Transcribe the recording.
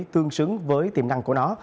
tương xứng với tiềm năng của nó